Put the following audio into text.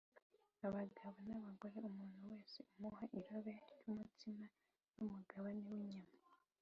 abagabo n’abagore, umuntu wese amuha irobe ry’umutsima n’umugabane w’inyama